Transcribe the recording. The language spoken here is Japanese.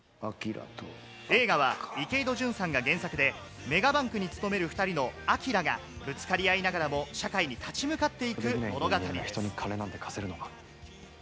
映画は池井戸潤さんが原作で、メガバンクに勤める２人のあきらが、ぶつかり合いながらも社会に立ち向かっていく物語です。